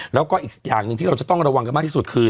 แล้วก็อีกอย่างหนึ่งที่เราจะต้องระวังกันมากที่สุดคือ